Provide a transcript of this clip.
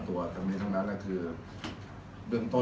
๓ตัวทั้งนี้ระเงินจากนั้นก็ยืนต้น